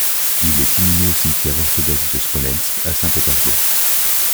Il est inhumé au cimetière orthodoxe de Smolensk à Saint-Pétersbourg.